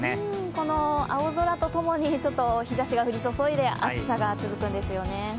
この青空とともに日ざしが降り注いで、暑さが続くんですよね。